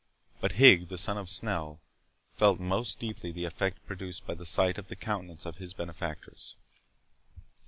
But Higg, the son of Snell, felt most deeply the effect produced by the sight of the countenance of his benefactress.